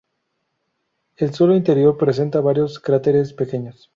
El suelo interior presenta varios cráteres pequeños.